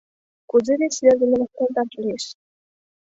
Кузе вес вер дене вашталташ лиеш?